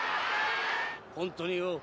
「ホントによう